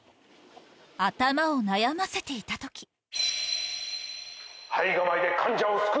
頭を悩ませていたとき。